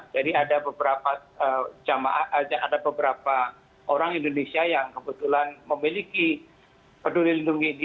jadi ada beberapa orang indonesia yang kebetulan memiliki peduli lindung ini